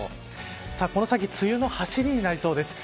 この先、梅雨のはしりになりそうです。